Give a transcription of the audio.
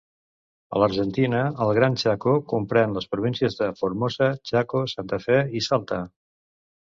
A l'Argentina, el Gran Chaco comprèn les províncies de Formosa, Chaco, Santa Fe i Salta.